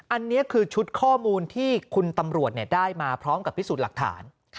อันนี้คือชุดข้อมูลที่คุณตำรวจได้มาพร้อมกับพิสูจน์หลักฐาน